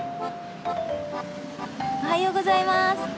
おはようございます！